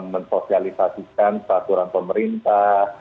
men sosialisasikan keaturan pemerintah